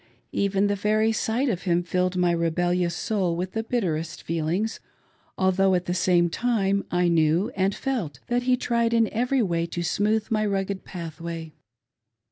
Even the very sight of him filled my rebellious soul with the bitterest feelings, although, atp the same time; I knew and felt that he tried in every way to sn^ooth my rugged pathway.